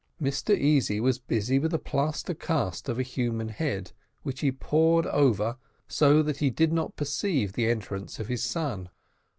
Mr Easy was busy with a plaster cast of a human head, which he pored over, so that he did not perceive the entrance of his son.